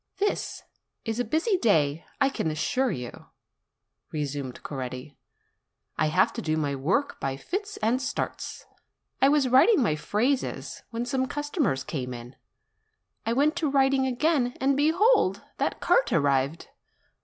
"This is a busy day, I can assure you," resumed Coretti; "I have to do my work by fits and starts. I was writing my phrases, when some customers came in. I went to writing again, and behold! that cart arrived.